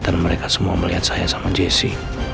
dan mereka semua melihat saya sama jesse